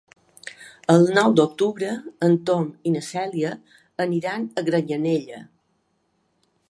El nou d'octubre en Tom i na Cèlia aniran a Granyanella.